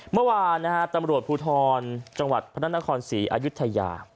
เมื่อวานนะฮะตำรวจภูทรจังหวัดพระนครศรีอายุทยา